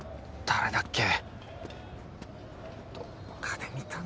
誰だっけ？